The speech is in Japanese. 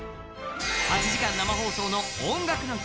８時間生放送の「音楽の日」